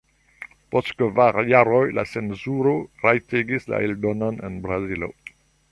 Post kvar jaroj la cenzuro rajtigis la eldonon en Brazilo.